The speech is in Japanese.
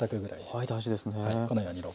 はい。